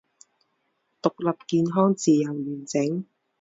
独立健康自由完整